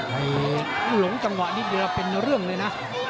ให้หลงจังหวะนิดเดียวเป็นเรื่องเลยนะ